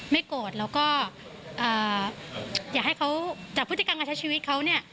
ไม่โกรธแล้วก็อยากให้เขาจากพฤติกรรมการใช้ชีวิตเขาเนี่ย